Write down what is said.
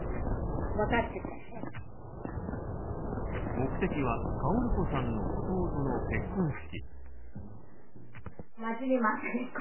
目的は薫子さんの弟の結婚式。